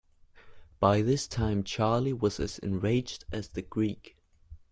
By this time Charley was as enraged as the Greek.